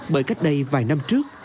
bởi cách đây vài năm trước